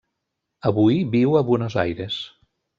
Avui viu a Buenos Aires.